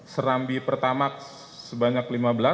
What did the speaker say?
serambi pertamax sebanyak lima belas